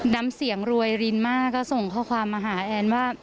นำเสียงรวยรินมากก็ส่งข้อความมาหาแอนว่า